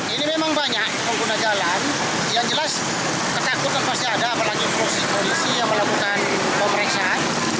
ini memang banyak pengguna jalan yang jelas ketakutan pasti ada apalagi polisi yang melakukan pemeriksaan